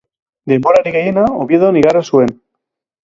Denborarik gehiena Oviedon igaro zuen.